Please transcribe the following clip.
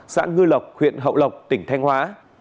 xã ngư lộc huyện hậu lộc tỉnh thanh hóa